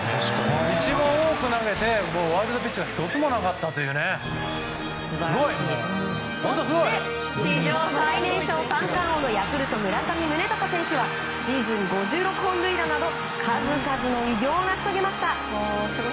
一番多く投げてワイルドピッチがそして史上最年少３冠王のヤクルト、村上宗隆選手はシーズン５６本塁打など数々の偉業を成し遂げました。